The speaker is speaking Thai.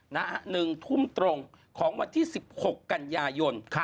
หนึ่งทุ่มตรงของวันที่๑๖กันยายน